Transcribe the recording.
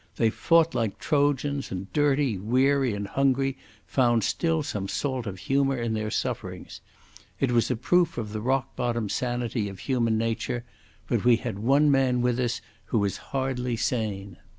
They fought like Trojans, and, dirty, weary, and hungry, found still some salt of humour in their sufferings. It was a proof of the rock bottom sanity of human nature. But we had one man with us who was hardly sane....